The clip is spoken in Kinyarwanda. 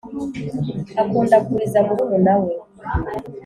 Akunda kuriza murumuna we